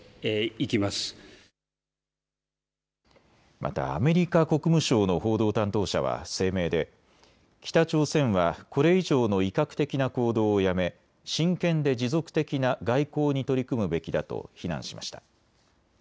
またアメリカ国務省の報道担当者は声明で北朝鮮はこれ以上の威嚇的な行動をやめ真剣で持続的な外交に取り組むべきだと非難しました。